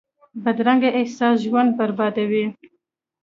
بدرنګه احساس ژوند بربادوي